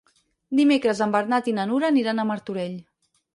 Dimecres en Bernat i na Nura aniran a Martorell.